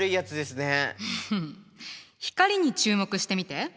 光に注目してみて。